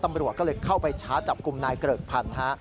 ตำรวจก็เลยเข้าไปชาร์จจับกลุ่มนายเกริกพันธุ์ฮะ